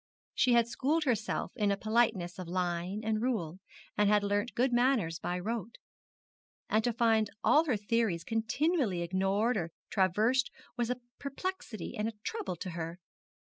She had schooled herself in a politeness of line and rule, had learnt good manners by rote; and to find all her theories continually ignored or traversed was a perplexity and a trouble to her.